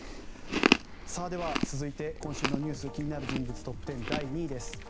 では続いて、今週のニュース気になる人物トップ１０第２位です。